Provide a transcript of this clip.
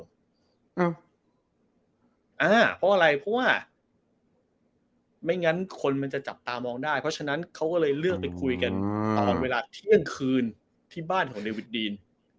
เพราะอะไรเพราะว่าไม่งั้นคนมันจะจับตามองได้เพราะฉะนั้นเขาก็เลยเลือกไปคุยกันตอนเวลาเที่ยงคืนที่บ้านของเดวิดดีน